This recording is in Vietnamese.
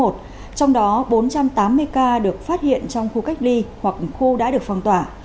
trong đó bốn trăm tám mươi ca được phát hiện trong khu cách ly hoặc khu đã được phong tỏa